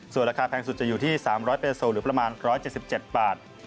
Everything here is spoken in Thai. ส่วนราคาแพงสุดจะอยู่ที่๓๐๐หรือประมาณ๑๗๗บาท